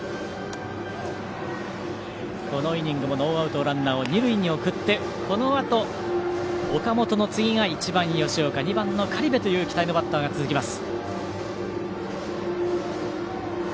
このイニングのノーアウトのランナーを二塁に送ってこのあと、岡本の次が１番の吉岡２番、苅部という期待のバッターが続きます。